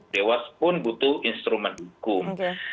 dewas pun butuh instrumen hukum